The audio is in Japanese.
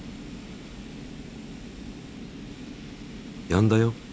やんだよ！